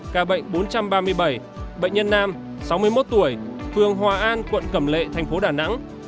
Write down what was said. ca bệnh bốn trăm ba mươi bảy bệnh nhân nam sáu mươi một tuổi phường hòa an quận cẩm lệ thành phố đà nẵng